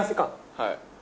はい。